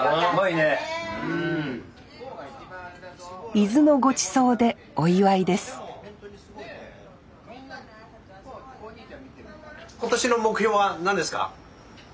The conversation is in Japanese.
伊豆のごちそうでお祝いです今年の目標は何ですか？